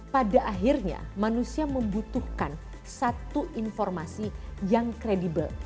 pada akhirnya manusia membutuhkan satu informasi yang kredibel